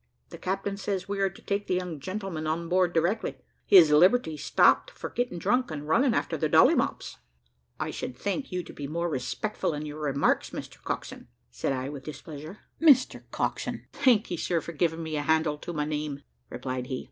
The captain says we are to take the young gentleman on board directly. His liberty's stopped for getting drunk and running after the Dolly Mops!" "I should thank you to be more respectful in your remarks, Mr Coxswain," said I with displeasure. "Mister Coxswain! thanky, sir, for giving me a handle to my name," replied he.